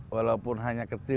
walaupun hanya kecil